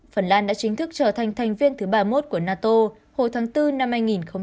phần lan đã chính thức trở thành thành viên thứ ba mươi một của nato hồi tháng bốn năm hai nghìn một mươi chín